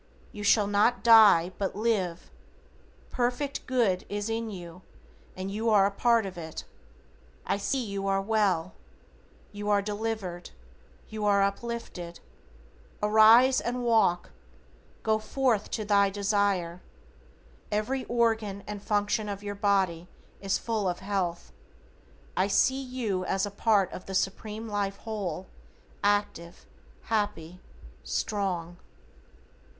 You shall not die, but live. Perfect Good is in you and you are a part of it. I see you well. You are delivered. You are uplifted. Arise and walk. Go forth to thy desire. Every organ and function of your body is full of health. I see you as a part of the Supreme Life whole, active, happy, strong.